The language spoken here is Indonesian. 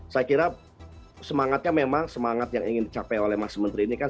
saya kira semangatnya memang semangat yang ingin dicapai oleh mas menteri ini kan